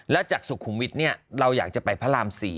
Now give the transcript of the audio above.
แล้วจากสุขุมวิทย์เราอยากจะไปพระราม๔